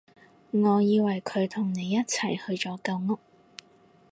我以為佢同你一齊去咗舊屋